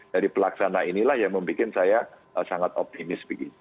dari pelaksana inilah yang membuat saya sangat optimis